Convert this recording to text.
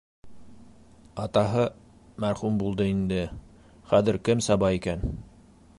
Атаһы мәрхүм булды инде, хәҙер кем саба икән?